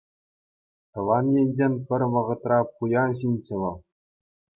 Тӑван енчен пӗр вӑхӑтра пуян ҫынччӗ вӑл.